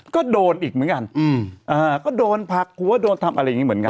ก็โดนอีกเหมือนกันอืมอ่าก็โดนผักหัวโดนทำอะไรอย่างงี้เหมือนกัน